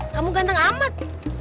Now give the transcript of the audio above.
kamu ganteng amat